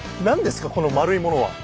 この円いものは。